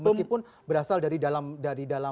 meskipun berasal dari dalam dari dalam